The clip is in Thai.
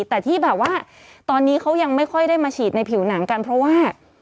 แต่ที่แบบว่าตอนนี้เขายังไม่ค่อยได้มาฉีดในผิวหนังกันเพราะว่า